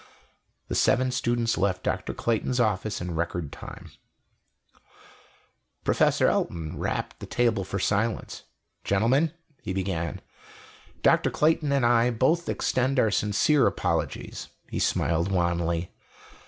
The seven students left Dr. Clayton's office in record time. Professor Elton rapped the table for silence. "Gentlemen," he began, "Dr. Clayton and I both extend our sincere apologies." He smiled wanly.